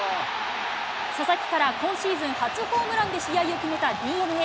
佐々木から今シーズン初ホームランで試合を決めたＤｅＮＡ。